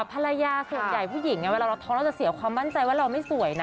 ภรรยาส่วนใหญ่ผู้หญิงเวลาเราท้องเราจะเสียความมั่นใจว่าเราไม่สวยนะ